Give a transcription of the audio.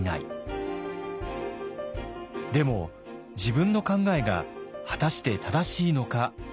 でも自分の考えが果たして正しいのか確信が持てません。